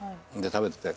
食べてて。